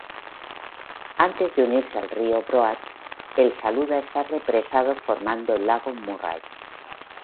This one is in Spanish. Antes de unirse al río Broad, el Saluda está represado formando el lago Murray.